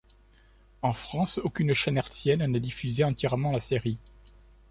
En France, aucune chaîne hertzienne n'a diffusé entièrement la série.